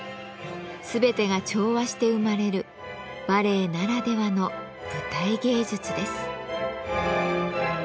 全てが調和して生まれるバレエならではの舞台芸術です。